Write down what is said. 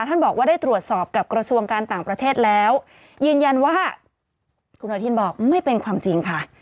ท่านบอกว่าได้ตรวจสอบกับกระทรวงการต่างประเทศแล้วยืนยันว่าคุณอนุทินบอกไม่เป็นความจริงค่ะ